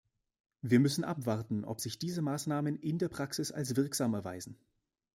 Wir müssen abwarten, ob sich diese Maßnahmen in der Praxis als wirksam erweisen.